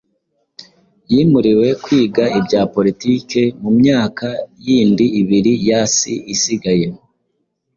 yimuriwe kwiga ibya Politiki mu myaka yindi ibiri yasi isigaye.